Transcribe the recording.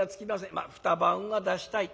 まあ２晩は出したい。